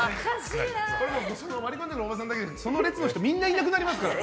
割り込んでくるおばさんだけじゃなくてその列の人みんないなくなりますから。